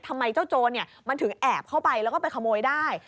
ทำไมเจ้าโจรมันถึงแอบเข้าไปแล้วก็ไปขโมยได้